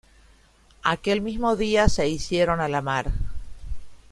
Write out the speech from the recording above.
Aquel mismo día se hicieron a la mar.